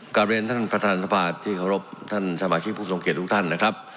กลับเรียนท่านประธานสภาที่เคารพท่านสมาชิกผู้ทรงเกียจทุกท่านนะครับ